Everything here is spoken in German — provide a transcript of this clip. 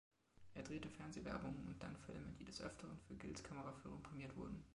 Er drehte Fernsehwerbungen und dann Filme, die des Öfteren für Gills Kameraführung prämiert wurden.